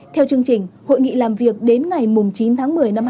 theo chương trình hội nghị làm việc đến ngày chín tháng một mươi năm hai nghìn hai mươi